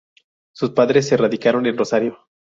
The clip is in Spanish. Sus padres se radicaron en Rosario.